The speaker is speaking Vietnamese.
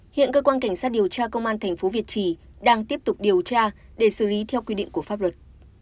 hiện cơ quan cảnh sát điều tra công an thành phố việt trì đang tiếp tục điều tra để xử lý theo quy định của pháp luật